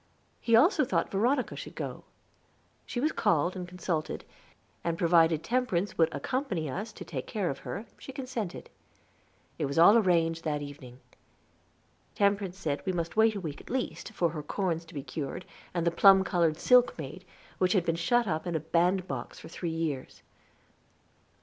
He also thought Veronica should go. She was called and consulted, and, provided Temperance would accompany us to take care of her, she consented. It was all arranged that evening. Temperance said we must wait a week at least, for her corns to be cured, and the plum colored silk made, which had been shut up in a band box for three years.